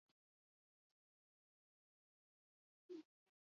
Hainbat lekuetan jaieguna da, tartean Euskal Herrian.